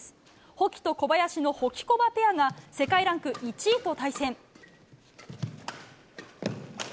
保木と小林のホキコバペアが世界ランク１位と対戦。